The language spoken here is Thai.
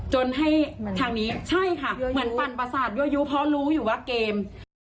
จนให้ทางนี้ใช่ค่ะเหมือนปั่นประสาทยั่วยู้เพราะรู้อยู่ว่าเกม